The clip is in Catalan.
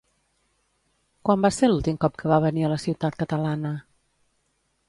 Quan va ser l'últim cop que va venir a la ciutat catalana?